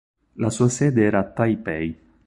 La sua sede era a Taipei.